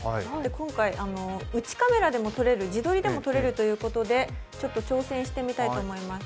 今回、うちカメラでも撮れる、自撮りでも撮れるということで挑戦したいと思います。